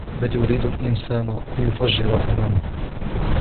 بَلْ يُرِيدُ الْإِنْسَانُ لِيَفْجُرَ أَمَامَهُ